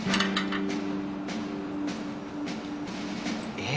えっ？